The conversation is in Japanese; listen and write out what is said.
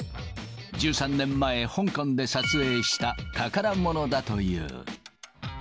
１３年前、香港で撮影した宝物だという。